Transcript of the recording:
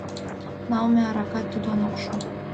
Налме аракат тудлан ок шу...